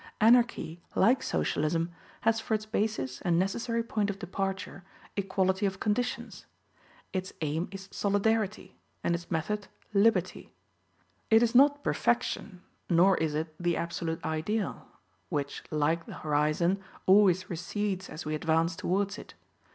Anarchy, like Socialism, has for its basis and necessary point of departure equality of conditions. Its aim is solidarity, and its method liberty. It is not perfection, nor is it the absolute ideal, which, like the horizon, always recedes as we advance towards it.